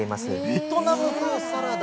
ベトナム風サラダ？